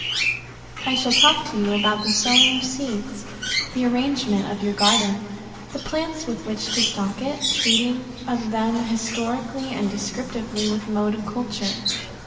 I shall talk to you about the sowing of seeds, the arrangement of your garden, the plants with which to stock it, treating of them historically and descriptively, with mode of culture.